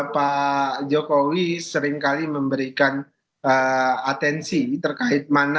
pak jokowi seringkali memberikan atensi terkait mana